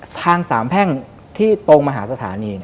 ทางสามแพ่งที่ตรงมหาสถานี